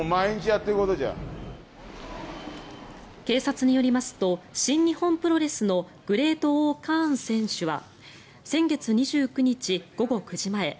警察によりますと新日本プロレスのグレート−Ｏ−カーン選手は先月２９日午後９時前